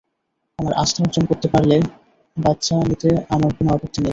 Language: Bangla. আমার আস্থা অর্জন করতে পারলে বাচ্ছা নিতে আমার কোন আপত্তি নেই।